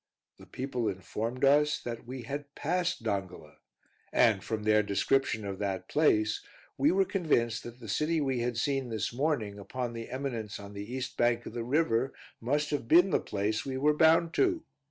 The people informed us that we had passed Dongola, and, from their description of that place, we were convinced that the city we had seen this morning, upon the eminence on the east bank of the river, must have been the place we were bound to.